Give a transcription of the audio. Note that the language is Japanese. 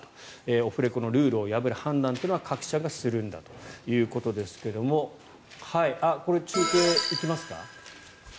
オフレコのルールを破る判断というのは各社がするんだということですがこれ、中継行きますか？